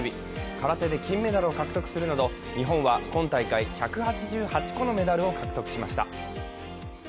空手で金メダルを獲得するなど、日本は今大会１８８個のメダルを獲得しました。